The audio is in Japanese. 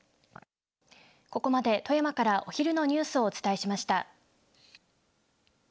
ここまで富山からお昼のニュースをお伝えしました。